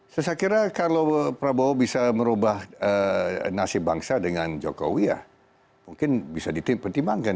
saya kira kalau prabowo bisa merubah nasib bangsa dengan jokowi ya mungkin bisa dipertimbangkan